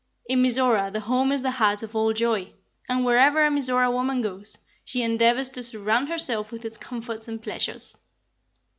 In Mizora the home is the heart of all joy, and wherever a Mizora woman goes, she endeavors to surround herself with its comforts and pleasures.